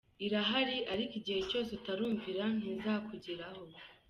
Irahari ariko igihe cyose utarumvira ntizakugeraho.